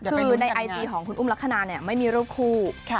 คือในไอจีของคุณอุ้มลักษณะไม่มีรูปคู่